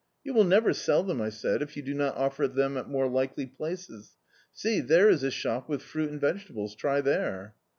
"You will never sell them," I said, "if you do not offer them at more likely places. See, there is a shop with fruit and vegetables: try there."